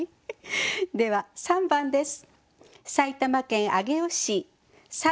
では３番です。